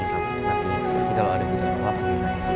tapi kalo ada kebutuhan apa panggil saya cek